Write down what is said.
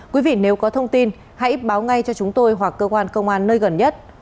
quý vị nếu có thông tin hãy báo ngay cho chúng tôi hoặc cơ quan công an nơi gần nhất